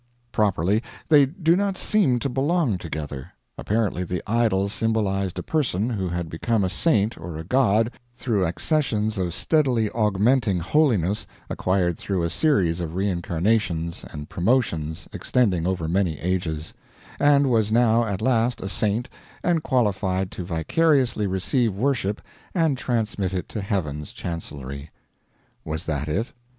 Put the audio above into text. Properly they do not seem to belong together. Apparently the idol symbolized a person who had become a saint or a god through accessions of steadily augmenting holiness acquired through a series of reincarnations and promotions extending over many ages; and was now at last a saint and qualified to vicariously receive worship and transmit it to heaven's chancellery. Was that it?